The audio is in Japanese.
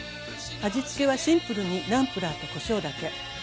味付けはシンプルにナムプラーとこしょうだけ。